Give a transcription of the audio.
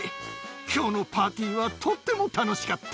きょうのパーティーはとっても楽しかった。